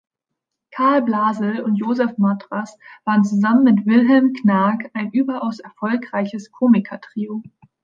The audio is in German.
Karl Blasel und Josef Matras waren zusammen mit Wilhelm Knaack ein überaus erfolgreiches Komiker-Trio.